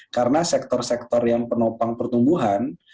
karena sektor sektor yang penopang pertumbuhan